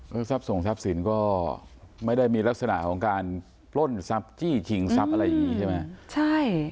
ก็ซับส่งซับสินก็ไม่ได้มีลักษณะของการปล้นซับจี้ติฉิงซับอะไรนี้ใช่ไหม